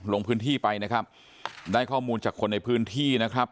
ลงพื้นที่ไปนะครับได้ข้อมูลจากคนในพื้นที่นะครับ